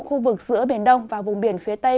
khu vực giữa biển đông và vùng biển phía tây